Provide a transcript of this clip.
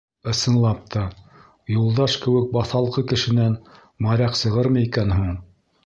«Ысынлап та, Юлдаш кеүек баҫалҡы кешенән моряк сығырмы икән һуң?..»